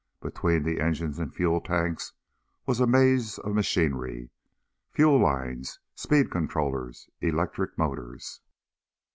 Between the engines and fuel tanks was a maze of machinery fuel lines, speed controllers, electric motors.